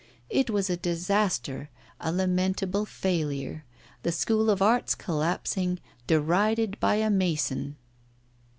It was a disaster, a lamentable failure, the School of Arts collapsing, derided by a mason!